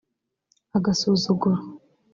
Agasuzuguro